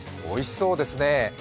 おいしそうですね。